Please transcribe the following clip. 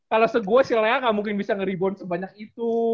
kalau se gua si lea gak mungkin bisa ngeribun sebanyak itu